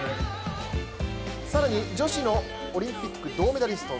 更に、女子のオリンピックの銅メダリスト。